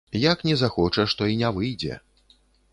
Як не захочаш, то і не выйдзе.